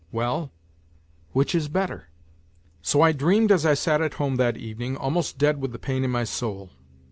Well, which is better ? So I dreamed as I sat at home that evening, almost dead with the pain in my soul.